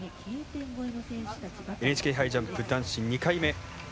ＮＨＫ杯ジャンプ男子２回目。